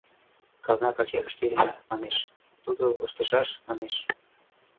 — Казна пачерыште илена, манеш, тудо ыштышаш, манеш.